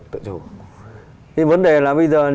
thì vấn đề là bây giờ